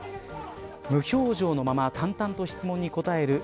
無表情のまま淡々と質問に答える崔善